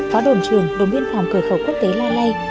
có đồn trường đồn biên phòng cờ khẩu quốc tế la lai